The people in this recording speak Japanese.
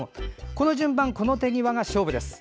この順番、この手際が勝負です。